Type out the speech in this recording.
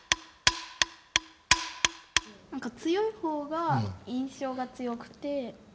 何か強いほうが印象が強くて。